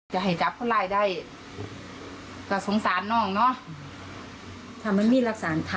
ยายให้รู้จังสินะ